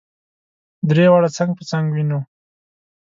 درې واړه څنګ په څنګ وینو.